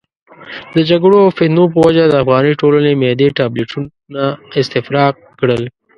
د جګړو او فتنو په وجه د افغاني ټولنې معدې ټابلیتونه استفراق کړل.